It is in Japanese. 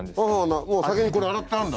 先にこれ洗ってあるんだ。